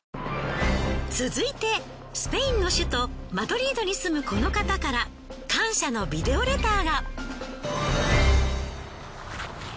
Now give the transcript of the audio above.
続いてスペインの首都マドリードに住むこの方から感謝のビデオレターが。